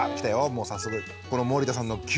もう早速。